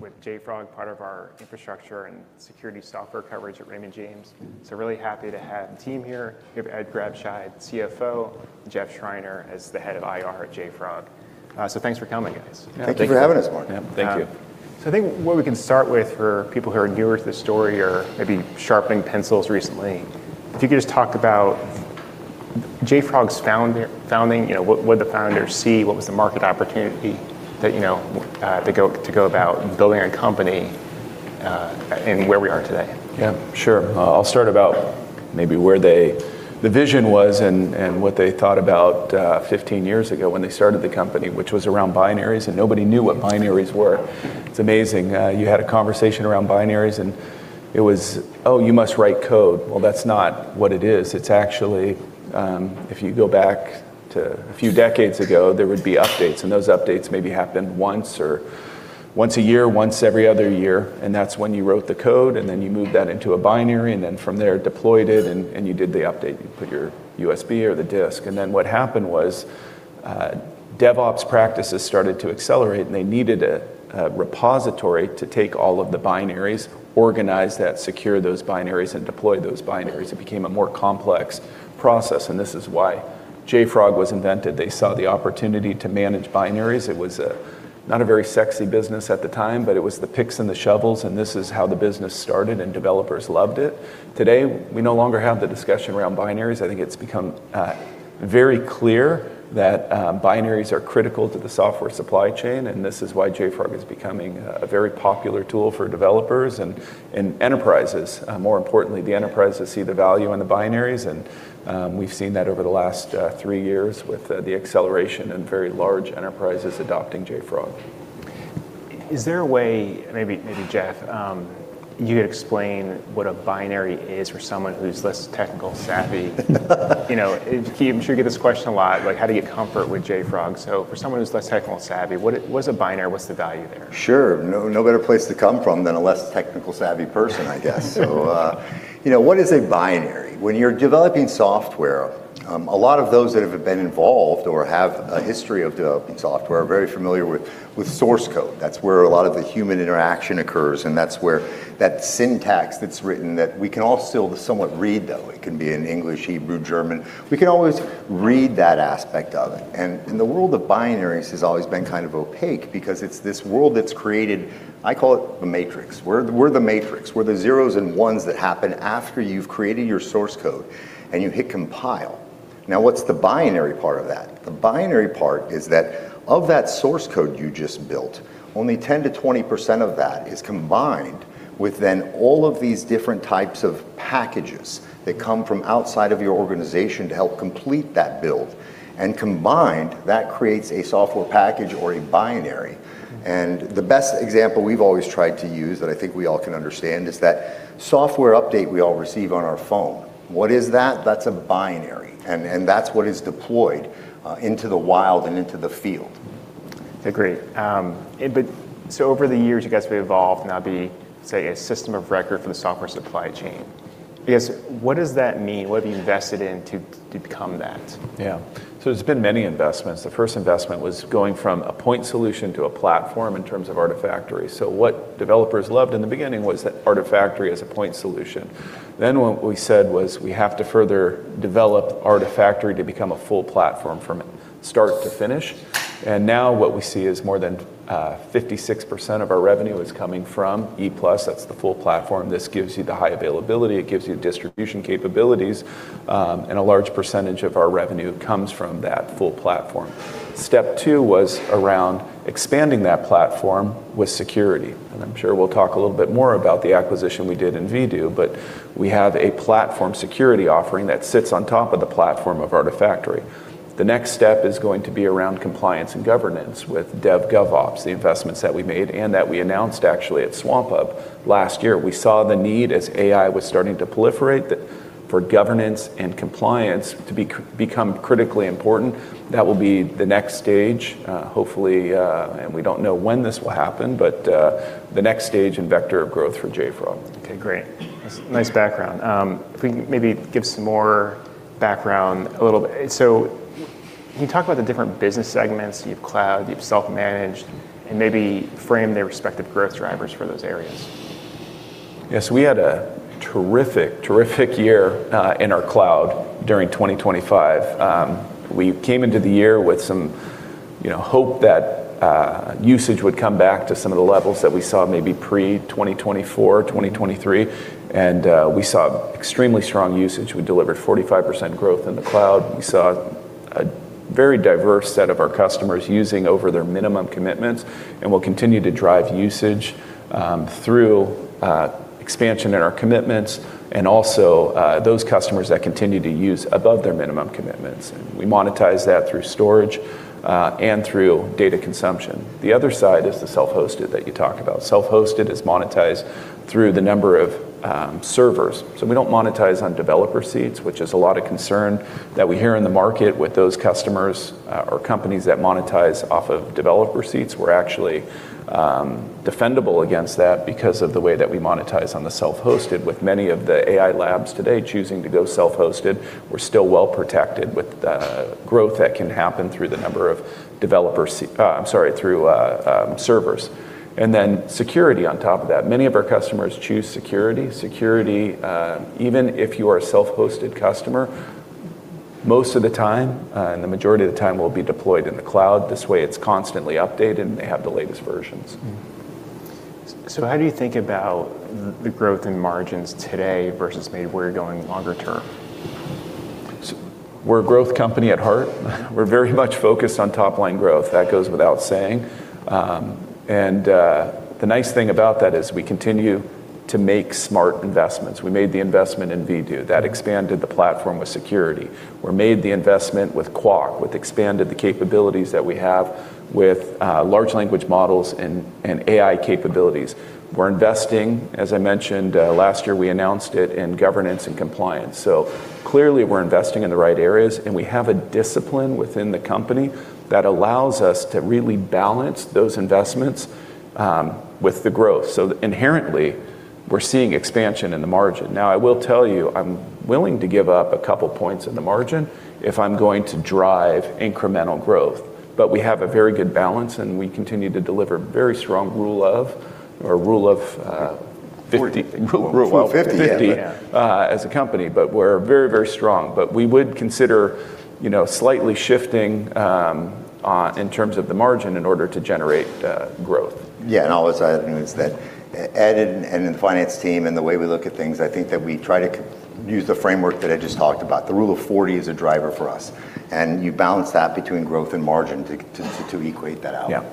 With JFrog, part of our infrastructure and security software coverage at Raymond James. Really happy to have the team here. You have Ed Grabscheid, CFO, Jeff Schreiner is the head of IR at JFrog. Thanks for coming, guys. Thank you for having us, Mark. Yeah, thank you. I think what we can start with for people who are newer to the story or maybe sharpening pencils recently, if you could just talk about JFrog's founding. You know, what the founders see, what was the market opportunity that, you know, to go about building a company, and where we are today? Yeah, sure. I'll start about maybe where the vision was and what they thought about 15 years ago when they started the company, which was around binaries. Nobody knew what binaries were. It's amazing. You had a conversation around binaries. It was, "Oh, you must write code." Well, that's not what it is. It's actually, if you go back to a few decades ago, there would be updates. Those updates maybe happened once or once a year, once every other year. That's when you wrote the code. You moved that into a binary. From there deployed it, and you did the update. You put your USB or the disk. What happened was, DevOps practices started to accelerate, and they needed a repository to take all of the binaries, organize that, secure those binaries, and deploy those binaries. It became a more complex process. This is why JFrog was invented. They saw the opportunity to manage binaries. It was not a very sexy business at the time. It was the picks and the shovels. This is how the business started. Developers loved it. Today, we no longer have the discussion around binaries. I think it's become very clear that binaries are critical to the software supply chain. This is why JFrog is becoming a very popular tool for developers and enterprises. More importantly, the enterprises see the value in the binaries, and, we've seen that over the last, three years with, the acceleration and very large enterprises adopting JFrog. Is there a way, maybe Jeff, you could explain what a binary is for someone who's less technical savvy? You know, I'm sure you get this question a lot, like how do you comfort with JFrog? For someone who's less technical savvy, what's a binary? What's the value there? Sure. No, no better place to come from than a less technical savvy person, I guess. You know, what is a binary? When you're developing software, a lot of those that have been involved or have a history of developing software are very familiar with source code. That's where a lot of the human interaction occurs, and that's where that syntax that's written that we can all still somewhat read, though. It can be in English, Hebrew, German. We can always read that aspect of it. In the world of binaries has always been kind of opaque because it's this world that's created. I call it the matrix. We're the matrix. We're the zeros and ones that happen after you've created your source code and you hit compile. Now, what's the binary part of that? The binary part is that of that source code you just built, only 10%-20% of that is combined with then all of these different types of packages that come from outside of your organization to help complete that build. Combined, that creates a software package or a binary. The best example we've always tried to use that I think we all can understand is that software update we all receive on our phone. What is that? That's a binary, and that's what is deployed into the wild and into the field. Okay, great. Over the years, you guys have evolved, now be, say, a system of record for the software supply chain. I guess, what does that mean? What have you invested in to become that? Yeah. It's been many investments. The first investment was going from a point solution to a platform in terms of Artifactory. What developers loved in the beginning was that Artifactory as a point solution. What we said was, "We have to further develop Artifactory to become a full platform from start to finish." Now what we see is more than 56% of our revenue is coming from Enterprise+. That's the full platform. This gives you the high availability, it gives you distribution capabilities, a large percentage of our revenue comes from that full platform. Step 2 was around expanding that platform with security. I'm sure we'll talk a little bit more about the acquisition we did in Vdoo, but we have a platform security offering that sits on top of the platform of Artifactory. The next step is going to be around compliance and governance with DevGovOps, the investments that we made and that we announced actually at swampUP last year. We saw the need as AI was starting to proliferate, that for governance and compliance to become critically important. That will be the next stage, hopefully, and we don't know when this will happen, but the next stage in vector of growth for JFrog. Okay, great. Nice, nice background. If we maybe give some more background a little bit. Can you talk about the different business segments? You have cloud, you have self-managed, and maybe frame their respective growth drivers for those areas? Yeah. We had a terrific year in our cloud during 2025. We came into the year with some, you know, hope that usage would come back to some of the levels that we saw maybe pre 2024, 2023. We saw extremely strong usage. We delivered 45% growth in the cloud. We saw a very diverse set of our customers using over their minimum commitments and will continue to drive usage through expansion in our commitments and also those customers that continue to use above their minimum commitments. We monetize that through storage and through data consumption. The other side is the self-hosted that you talk about. Self-hosted is monetized through the number of servers. We don't monetize on developer seats, which is a lot of concern that we hear in the market with those customers, or companies that monetize off of developer seats. We're actually defendable against that because of the way that we monetize on the self-hosted with many of the AI labs today choosing to go self-hosted. We're still well protected with the growth that can happen through the number of developer, I'm sorry, through servers. Then security on top of that. Many of our customers choose security. Security, even if you are a self-hosted customer, most of the time, and the majority of the time will be deployed in the cloud. This way it's constantly updated, and they have the latest versions. How do you think about the growth in margins today versus maybe where you're going longer term? We're a growth company at heart. We're very much focused on top line growth. That goes without saying. The nice thing about that is we continue to make smart investments. We made the investment in Vdoo. That expanded the platform with security. We made the investment with Qwak, with expanded the capabilities that we have with large language models and AI capabilities. We're investing, as I mentioned, last year we announced it, in governance and compliance. Clearly we're investing in the right areas, and we have a discipline within the company that allows us to really balance those investments, with the growth. Inherently we're seeing expansion in the margin. Now, I will tell you, I'm willing to give up a couple points in the margin if I'm going to drive incremental growth. we have a very good balance, and we continue to deliver very strong rule of. Forty 50. Rule of- Rule 50. Yeah. As a company. We're very, very strong. We would consider, you know, slightly shifting in terms of the margin in order to generate growth. Yeah. I'll just add to that. Ed and the finance team and the way we look at things, I think that we try to use the framework that I just talked about. The Rule of 40 is a driver for us, and you balance that between growth and margin to equate that out. Yeah.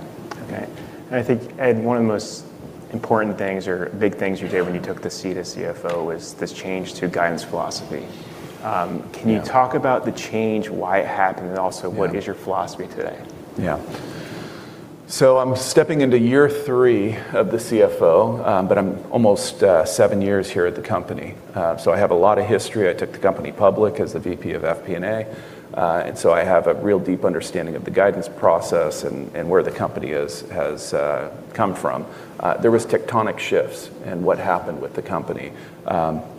Okay. I think, Ed, one of the most important things or big things you did when you took the seat as CFO was this change to guidance philosophy. Can you talk about the change, why it happened, and also what is your philosophy today? I'm stepping into year three of the CFO, but I'm almost seven years here at the company. I have a lot of history. I took the company public as the VP of FP&A, and so I have a real deep understanding of the guidance process and where the company has come from. There was tectonic shifts in what happened with the company.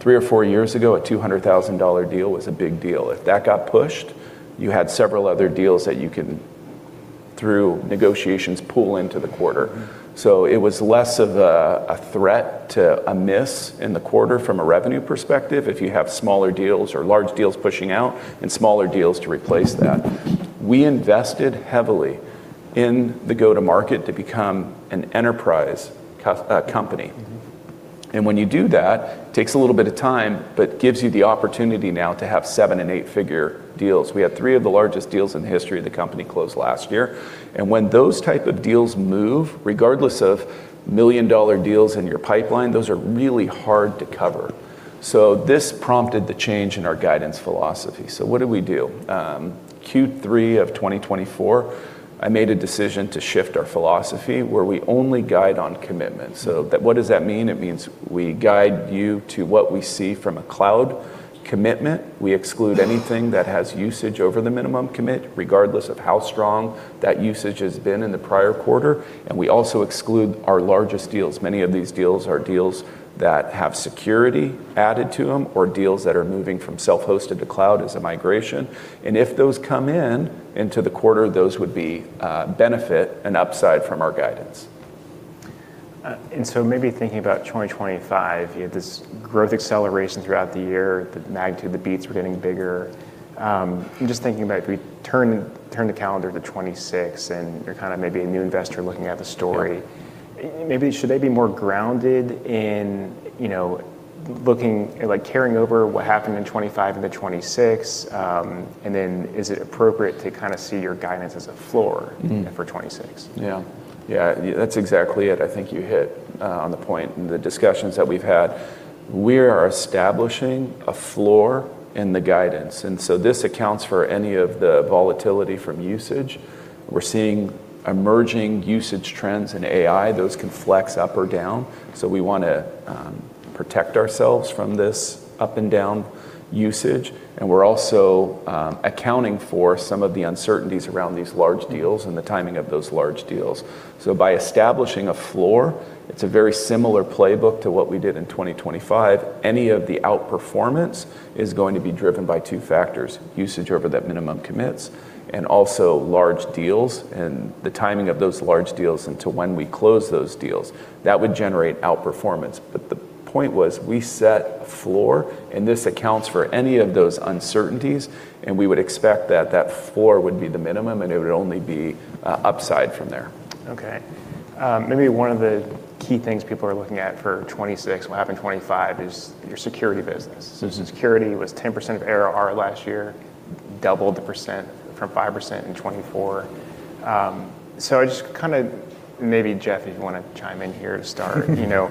Three or four years ago, a $200,000 deal was a big deal. If that got pushed, you had several other deals that you can, through negotiations, pull into the quarter. Mm-hmm. It was less of a threat to a miss in the quarter from a revenue perspective if you have smaller deals or large deals pushing out and smaller deals to replace that. We invested heavily in the go-to-market to become an enterprise company. Mm-hmm. When you do that, takes a little bit of time, but gives you the opportunity now to have seven and eight figure deals. We had 3 of the largest deals in the history of the company close last year. When those type of deals move, regardless of dollar million deals in your pipeline, those are really hard to cover. This prompted the change in our guidance philosophy. What did we do? Q3 of 2024, I made a decision to shift our philosophy where we only guide on commitment. What does that mean? It means we guide you to what we see from a cloud commitment. We exclude anything that has usage over the minimum commit, regardless of how strong that usage has been in the prior quarter. We also exclude our largest deals. Many of these deals are deals that have security added to them or deals that are moving from self-hosted to cloud as a migration. If those come into the quarter, those would be benefit and upside from our guidance. Maybe thinking about 2025, you had this growth acceleration throughout the year, the magnitude of the beats were getting bigger. I'm just thinking about if we turn the calendar to 2026 and you're kinda maybe a new investor looking at the story. Yeah maybe should they be more grounded in, you know, looking, like, carrying over what happened in 2025 into 2026? Then is it appropriate to kinda see your guidance as a floor? for 2026? Yeah. Yeah, that's exactly it. I think you hit on the point in the discussions that we've had. We are establishing a floor in the guidance. This accounts for any of the volatility from usage. We're seeing emerging usage trends in AI. Those can flex up or down, so we wanna protect ourselves from this up and down usage. We're also accounting for some of the uncertainties around these large deals and the timing of those large deals. By establishing a floor, it's a very similar playbook to what we did in 2025. Any of the outperformance is going to be driven by two factors: usage over that minimum commits and also large deals and the timing of those large deals and to when we close those deals. That would generate outperformance. The point was we set a floor, and this accounts for any of those uncertainties, and we would expect that that floor would be the minimum and it would only be upside from there. Okay. Maybe one of the key things people are looking at for 2026, what happened 2025, is your security business. Since security was 10% of ARR last year, doubled the percent from 5% in 2024. Maybe Jeff, if you wanna chime in here to start. You know,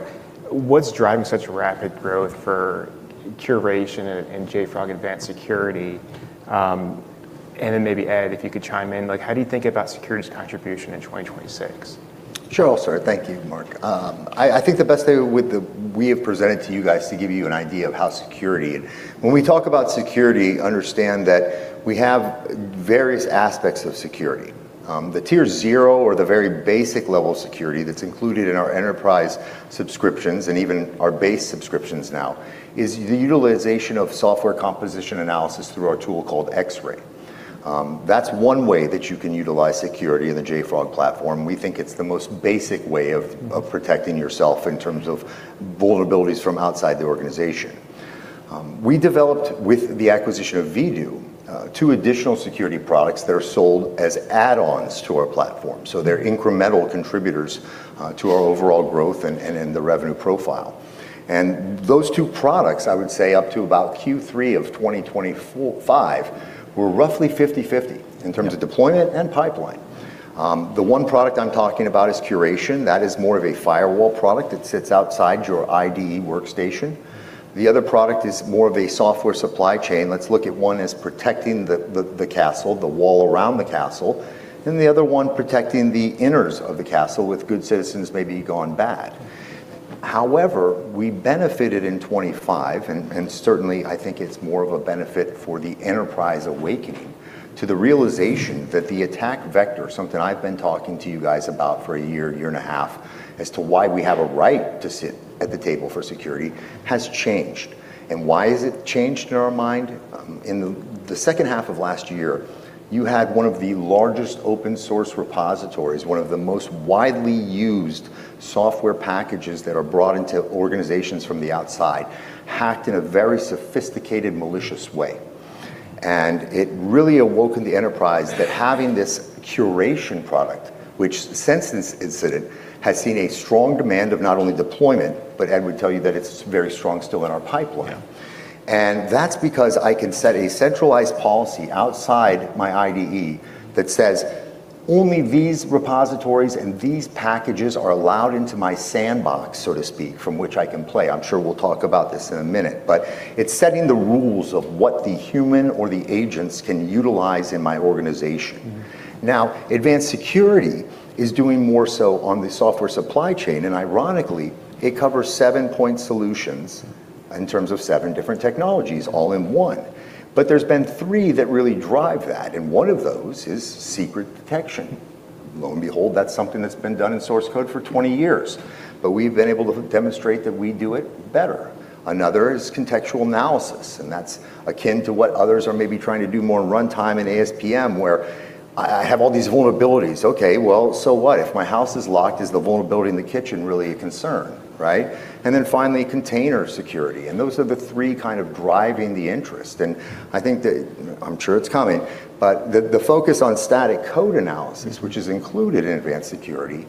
what's driving such rapid growth for Curation and JFrog Advanced Security? Then maybe Ed, if you could chime in. Like, how do you think about security's contribution in 2026? Sure. Also. Thank you, Mark. I think the best way We have presented to you guys to give you an idea of how. When we talk about security, understand that we have various aspects of security. The tier zero or the very basic level of security that's included in our enterprise subscriptions and even our base subscriptions now is the utilization of software composition analysis through our tool called Xray. That's one way that you can utilize security in the JFrog platform. We think it's the most basic way of protecting yourself in terms of vulnerabilities from outside the organization. We developed, with the acquisition of Vdoo, two additional security products that are sold as add-ons to our platform, so they're incremental contributors to our overall growth and in the revenue profile. Those two products, I would say up to about Q3 of 2024-2025, were roughly 50/50 in terms of deployment and pipeline. The one product I'm talking about is Curation. That is more of a firewall product. It sits outside your IDE workstation. The other product is more of a software supply chain. Let's look at one as protecting the castle, the wall around the castle, then the other one protecting the inners of the castle with good citizens maybe gone bad. However, we benefited in 2025, and certainly I think it's more of a benefit for the enterprise awakening, to the realization that the attack vector, something I've been talking to you guys about for a year, a year and a half, as to why we have a right to sit at the table for security, has changed. Why has it changed in our mind? In the second half of last year, you had one of the largest open-source repositories, one of the most widely used software packages that are brought into organizations from the outside, hacked in a very sophisticated, malicious way. It really awoken the enterprise that having this Curation product, which since this incident has seen a strong demand of not only deployment, but Ed would tell you that it's very strong still in our pipeline. Yeah. That's because I can set a centralized policy outside my IDE that says, "Only these repositories and these packages are allowed into my sandbox," so to speak, from which I can play. I'm sure we'll talk about this in a minute. It's setting the rules of what the human or the agents can utilize in my organization. Mm-hmm. Advanced Security is doing more so on the software supply chain and ironically, it covers seven-point solutions in terms of seven different technologies all in one. There's been three that really drive that, and one of those is secret detection. Lo and behold, that's something that's been done in source code for 20 years, but we've been able to demonstrate that we do it better. Another is contextual analysis, and that's akin to what others are maybe trying to do more runtime in ASPM where I have all these vulnerabilities. Okay, well, so what? If my house is locked, is the vulnerability in the kitchen really a concern, right? Then finally, container security, and those are the three kind of driving the interest. I think that... I'm sure it's coming, but the focus on static code analysis, which is included in Advanced Security,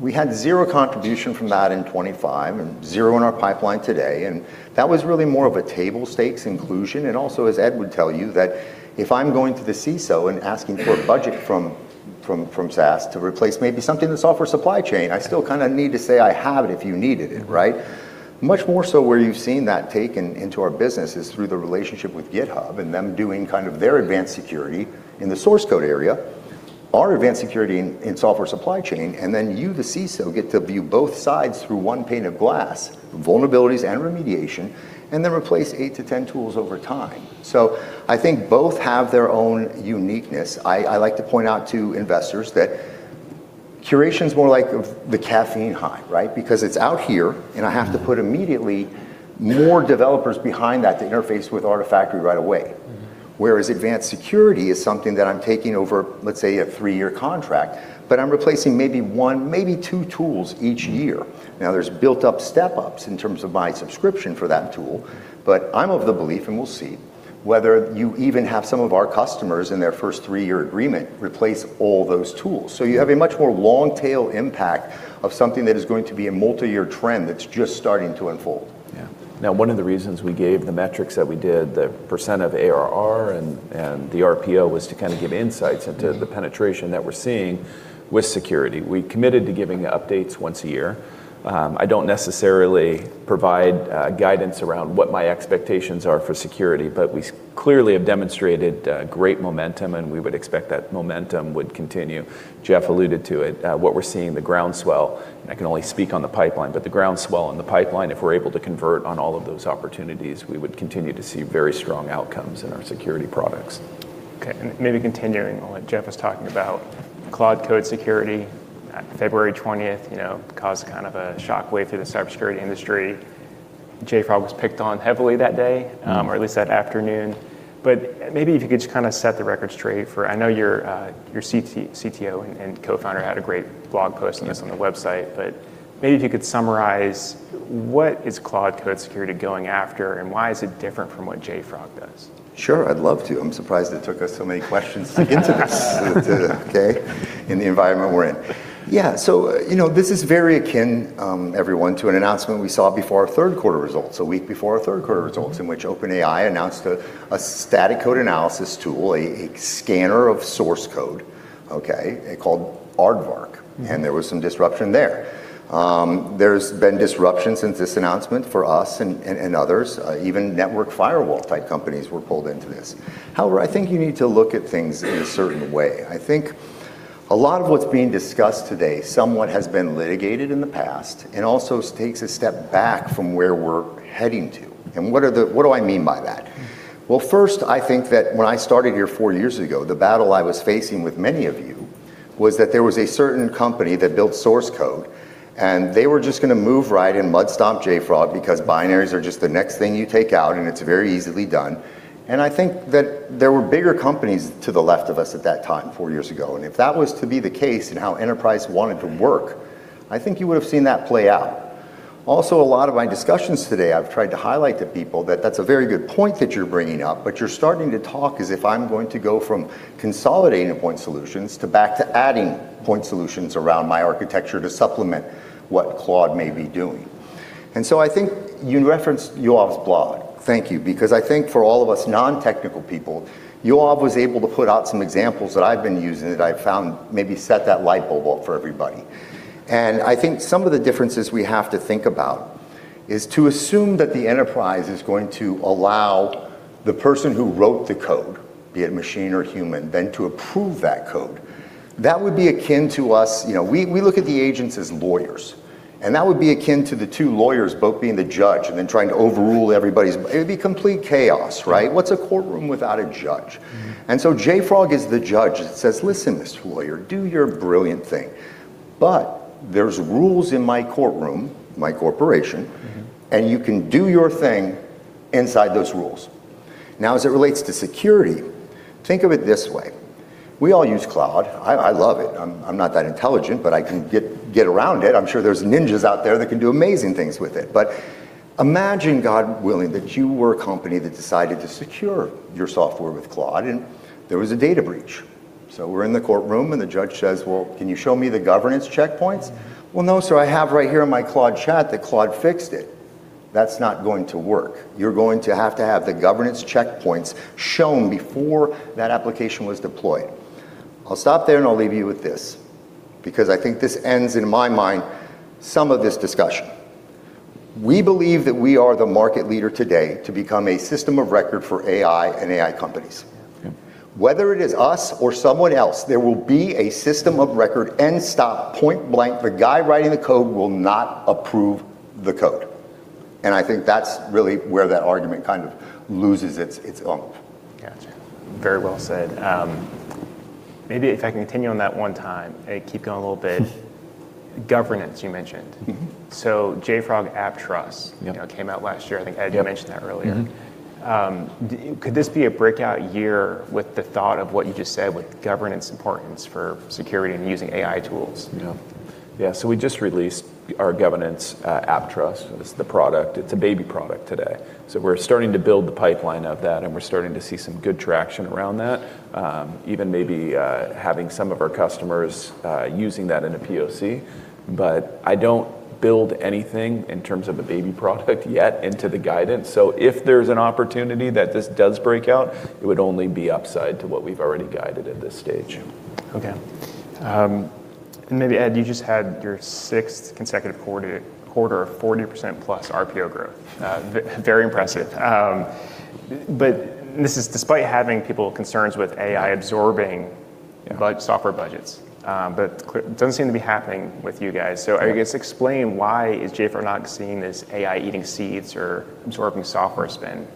we had zero contribution from that in 2025 and zero in our pipeline today, and that was really more of a table stakes inclusion. Also, as Ed would tell you, that if I'm going to the CISO and asking for a budget from SaaS to replace maybe something in the software supply chain, I still kind of need to say I have it if you needed it, right? Mm-hmm. Much more so where you've seen that taken into our business is through the relationship with GitHub and them doing kind of their Advanced Security in the source code area, our Advanced Security in software supply chain, and then you, the CISO, get to view both sides through one pane of glass, vulnerabilities and remediation, and then replace 8-10 tools over time. I think both have their own uniqueness. I like to point out to investors that Curation's more like the caffeine high, right? Because it's out here, and I have to put immediately more developers behind that to interface with Artifactory right away. Advanced Security is something that I'm taking over, let's say a three-year contract, I'm replacing maybe one, maybe two tools each year. There's built-up step-ups in terms of my subscription for that tool, I'm of the belief, and we'll see, whether you even have some of our customers in their first three-year agreement replace all those tools. You have a much more long-tail impact of something that is going to be a multi-year trend that's just starting to unfold. Yeah. One of the reasons we gave the metrics that we did, the percent of ARR and the RPO, was to kind of give insights into the penetration that we're seeing with security. We committed to giving updates once a year. I don't necessarily provide guidance around what my expectations are for security, but we clearly have demonstrated great momentum, and we would expect that momentum would continue. Jeff alluded to it, what we're seeing, the groundswell, and I can only speak on the pipeline, but the groundswell in the pipeline, if we're able to convert on all of those opportunities, we would continue to see very strong outcomes in our security products. Maybe continuing on what Jeff was talking about, Claude Code Security, February 20th, you know, caused kind of a shockwave through the cybersecurity industry. JFrog was picked on heavily that day. or at least that afternoon. Maybe if you could just kind of set the record straight. I know your CTO and co-founder had a great blog post on this on the website. Maybe if you could summarize what is Claude Code Security going after, and why is it different from what JFrog does? Sure, I'd love to. I'm surprised it took us so many questions to get to this. To... Okay? In the environment we're in. Yeah, you know, this is very akin, everyone, to an announcement we saw before our third quarter results, 1 week before our third quarter results, in which OpenAI announced a static code analysis tool, a scanner of source code, okay, called Aardvark. There was some disruption there. There's been disruption since this announcement for us and others. Even network firewall-type companies were pulled into this. However, I think you need to look at things in a certain way. I think a lot of what's being discussed today somewhat has been litigated in the past and also takes a step back from where we're heading to. What do I mean by that? Well, first, I think that when I started here four years ago, the battle I was facing with many of you was that there was a certain company that built source code, and they were just gonna move right in and mud stomp JFrog because binaries are just the next thing you take out, and it's very easily done. I think that there were bigger companies to the left of us at that time, four years ago, and if that was to be the case in how enterprise wanted to work, I think you would've seen that play out. A lot of my discussions today, I've tried to highlight to people that that's a very good point that you're bringing up, but you're starting to talk as if I'm going to go from consolidating point solutions to back to adding point solutions around my architecture to supplement what Claude may be doing. I think you referenced Yoav's blog. Thank you, because I think for all of us non-technical people, Yoav was able to put out some examples that I've been using that I've found maybe set that light bulb off for everybody. I think some of the differences we have to think about is to assume that the enterprise is going to allow the person who wrote the code, be it machine or human, then to approve that code. That would be akin to us. You know, we look at the agents as lawyers, and that would be akin to the two lawyers both being the judge and then trying to overrule everybody's. It would be complete chaos, right? Right. What's a courtroom without a judge? JFrog is the judge that says, "Listen, Mr. Lawyer, do your brilliant thing, but there's rules in my courtroom, my corporation and you can do your thing inside those rules." As it relates to security, think of it this way. We all use Claude. I love it. I'm not that intelligent, but I can get around it. I'm sure there's ninjas out there that can do amazing things with it. Imagine, God willing, that you were a company that decided to secure your software with Claude and there was a data breach. We're in the courtroom and the judge says, "Well, can you show me the governance checkpoints?" "Well, no, sir. I have right here in my Claude chat that Claude fixed it." That's not going to work. You're going to have to have the governance checkpoints shown before that application was deployed. I'll stop there and I'll leave you with this, because I think this ends, in my mind, some of this discussion. We believe that we are the market leader today to become a system of record for AI and AI companies. Yeah. Whether it is us or someone else, there will be a system of record, end stop, point blank. The guy writing the code will not approve the code, I think that's really where that argument kind of loses its oomph. Gotcha. Very well said. Maybe if I continue on that one time and keep going a little bit. Governance you mentioned. JFrog AppTrust. Yep you know, came out last year, I think. Yep. Ed, you mentioned that earlier. Could this be a breakout year with the thought of what you just said with governance importance for security and using AI tools? Yeah, we just released our governance, AppTrust. It's the product. It's a baby product today. We're starting to build the pipeline of that, and we're starting to see some good traction around that. Even maybe, having some of our customers, using that in a POC. I don't build anything in terms of a baby product yet into the guidance, so if there's an opportunity that this does break out, it would only be upside to what we've already guided at this stage. Okay. maybe, Ed Grabscheid, you just had your sixth consecutive quarter of 40%+ RPO growth. very impressive. Thank you. This is despite having people concerns with A.I. absorbing-. Yeah software budgets. It doesn't seem to be happening with you guys. Yeah. I guess explain why is JFrog not seeing this AI eating seeds or absorbing software spend?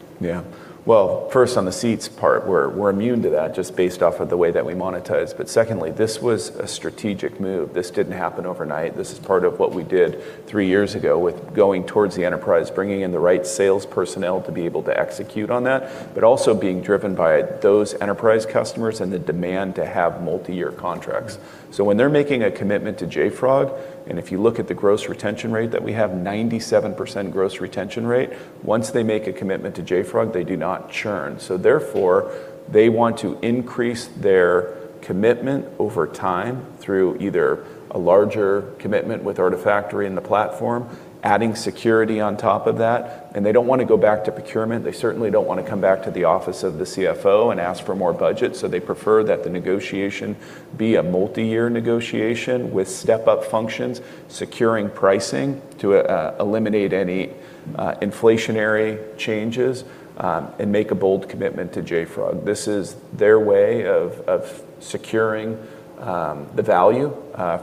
Well, first, on the seeds part, we're immune to that just based off of the way that we monetize. Secondly, this was a strategic move. This didn't happen overnight. This is part of what we did three years ago with going towards the enterprise, bringing in the right sales personnel to be able to execute on that, but also being driven by those enterprise customers and the demand to have multi-year contracts. When they're making a commitment to JFrog, and if you look at the gross retention rate that we have, 97% gross retention rate, once they make a commitment to JFrog, they do not churn. Therefore, they want to increase their commitment over time through either a larger commitment with Artifactory and the platform, adding security on top of that, and they don't wanna go back to procurement. They certainly don't wanna come back to the office of the CFO and ask for more budget, they prefer that the negotiation be a multi-year negotiation with step-up functions, securing pricing to eliminate any inflationary changes, and make a bold commitment to JFrog. This is their way of securing the value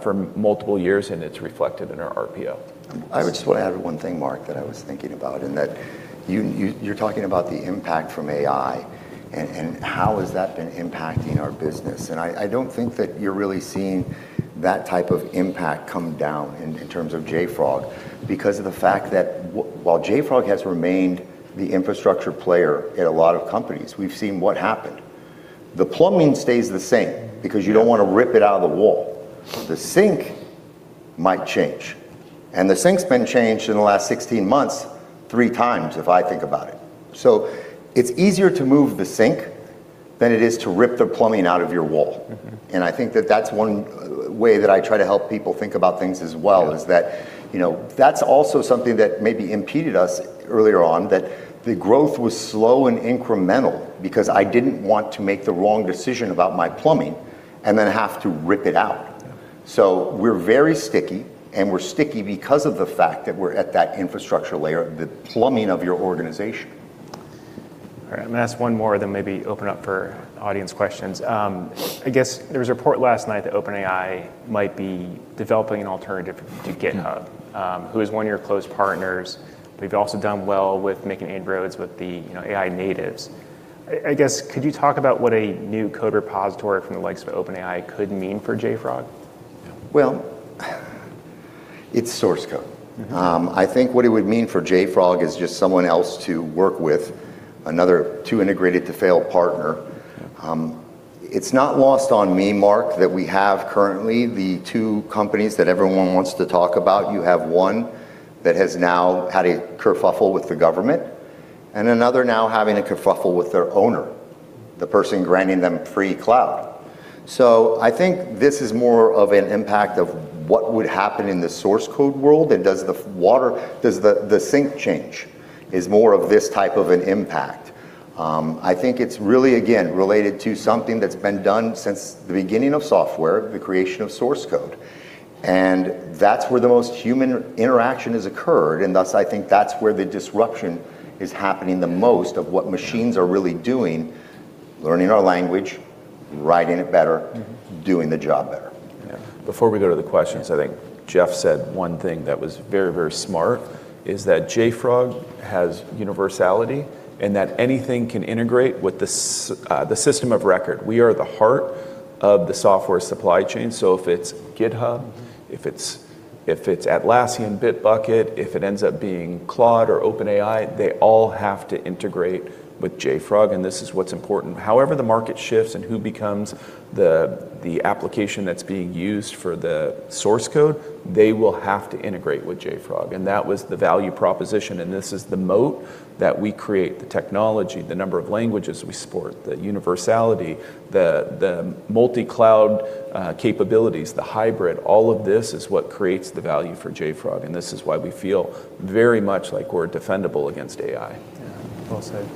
for multiple years, and it's reflected in our RPO. Of course. I just wanna add one thing, Mark, that I was thinking about, that you're talking about the impact from AI and how has that been impacting our business. I don't think that you're really seeing that type of impact come down in terms of JFrog because of the fact that while JFrog has remained the infrastructure player at a lot of companies, we've seen what happened. The plumbing stays the same because you don't wanna rip it out of the wall. The sink might change, and the sink's been changed in the last 16 months three times, if I think about it. It's easier to move the sink than it is to rip the plumbing out of your wall. I think that that's one way that I try to help people think about things as well. Yeah is that, you know, that's also something that maybe impeded us earlier on, that the growth was slow and incremental because I didn't want to make the wrong decision about my plumbing and then have to rip it out. Yeah. We're very sticky, and we're sticky because of the fact that we're at that infrastructure layer, the plumbing of your organization. All right. I'm gonna ask one more, then maybe open up for audience questions. I guess there was a report last night that OpenAI might be developing an alternative to GitHub- Yeah... who is one of your close partners, but you've also done well with making inroads with the, you know, AI natives. I guess could you talk about what a new code repository from the likes of OpenAI could mean for JFrog? Well, It's source code. I think what it would mean for JFrog is just someone else to work with, another too integrated to fail partner. It's not lost on me, Mark, that we have currently the two companies that everyone wants to talk about. You have one that has now had a kerfuffle with the government, and another now having a kerfuffle with their owner, the person granting them free cloud. I think this is more of an impact of what would happen in the source code world, and Does the sink change is more of this type of an impact. I think it's really, again, related to something that's been done since the beginning of software, the creation of source code. That's where the most human interaction has occurred, and thus, I think that's where the disruption is happening the most of what machines are really doing, learning our language, writing it better.... doing the job better. Yeah. Before we go to the questions, I think Jeff said one thing that was very, very smart, is that JFrog has universality and that anything can integrate with the system of record. We are the heart of the software supply chain, if it's GitHub, if it's Atlassian, Bitbucket, if it ends up being Claude or OpenAI, they all have to integrate with JFrog, and this is what's important. The market shifts and who becomes the application that's being used for the source code, they will have to integrate with JFrog. That was the value proposition, and this is the moat that we create, the technology, the number of languages we support, the universality, the multi-cloud capabilities, the hybrid. All of this is what creates the value for JFrog, and this is why we feel very much like we're defendable against AI. Yeah. Well said.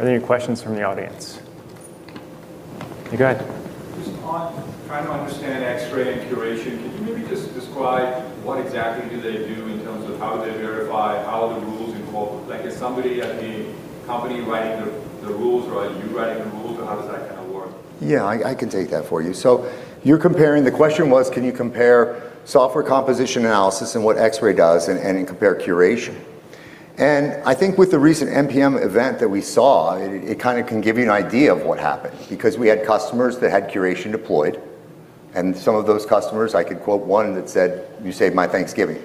Are there any questions from the audience? Okay, go ahead. Just on trying to understand Xray and Curation, can you maybe just describe what exactly do they do in terms of how they verify, how the rules involve, like, is somebody at the company writing the rules, or are you writing the rules, or how does that kinda work? I can take that for you. You're comparing... The question was, can you compare software composition analysis and what Xray does and compare Curation? I think with the recent npm event that we saw, it kinda can give you an idea of what happened, because we had customers that had Curation deployed, and some of those customers, I could quote one that said, "You saved my Thanksgiving."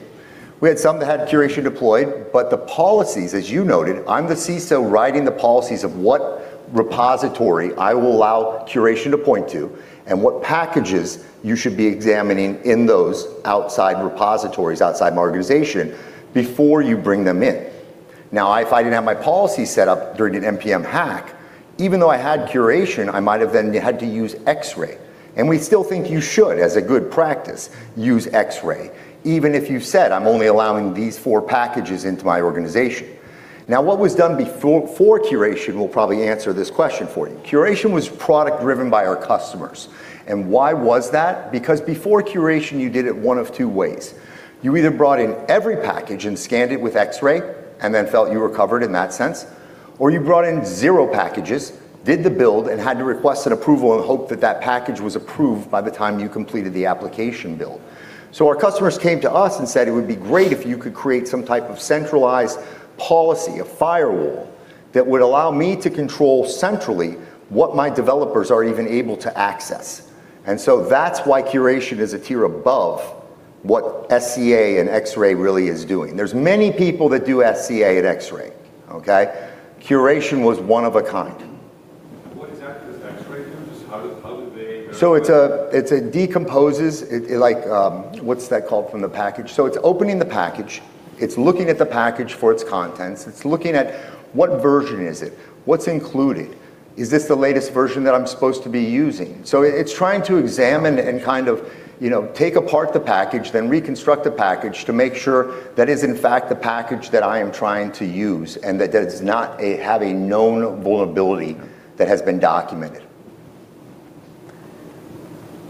We had some that had Curation deployed, but the policies, as you noted, I'm the CISO writing the policies of what repository I will allow Curation to point to and what packages you should be examining in those outside repositories, outside my organization, before you bring them in. If I didn't have my policy set up during an npm hack, even though I had Curation, I might have then had to use Xray, and we still think you should, as a good practice, use Xray, even if you've said, "I'm only allowing these four packages into my organization." What was done before Curation will probably answer this question for you. Curation was product driven by our customers. Why was that? Before Curation, you did it 1 of 2 ways. You either brought in every package and scanned it with Xray and then felt you were covered in that sense, or you brought in 0 packages, did the build, and had to request an approval and hope that that package was approved by the time you completed the application build. Our customers came to us and said, "It would be great if you could create some type of centralized policy, a firewall, that would allow me to control centrally what my developers are even able to access." That's why Curation is a tier above what SCA and Xray really is doing. There's many people that do SCA at Xray, okay? Curation was one of a kind. What exactly does Xray do? Just how do they verify? It's a decomposes. It like, What's that called from the package? It's opening the package, it's looking at the package for its contents. It's looking at what version is it? What's included? Is this the latest version that I'm supposed to be using? It's trying to examine and kind of, you know, take apart the package, then reconstruct the package to make sure that is in fact the package that I am trying to use, and that it's not a, have a known vulnerability that has been documented.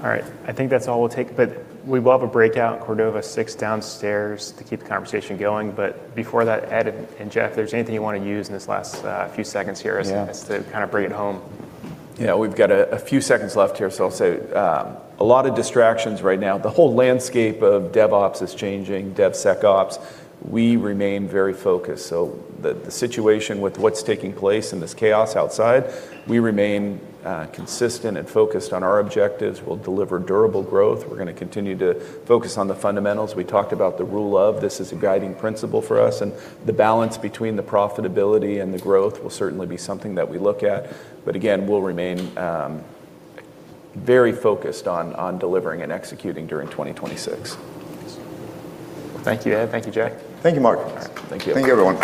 All right. I think that's all we'll take, but we will have a breakout in Cordova six downstairs to keep the conversation going. Before that, Ed and Jeff, if there's anything you wanna use in this last, few seconds here. Yeah... as to kind of bring it home. Yeah. We've got a few seconds left here. I'll say a lot of distractions right now. The whole landscape of DevOps is changing, DevSecOps. We remain very focused. The situation with what's taking place and this chaos outside, we remain consistent and focused on our objectives. We'll deliver durable growth. We're gonna continue to focus on the fundamentals. We talked about the rule of, this is a guiding principle for us, and the balance between the profitability and the growth will certainly be something that we look at. Again, we'll remain very focused on delivering and executing during 2026. Thank you, Ed. Thank you, Jeff. Thank you, Mark. All right. Thank you. Thank you, everyone.